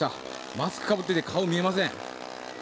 マスクをかぶってて顔が見えません。